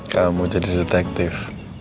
kamu jadi detektif